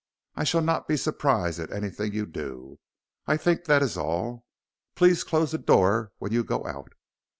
I shall not be surprised at anything you do. I think that is all. Please close the door when you go out."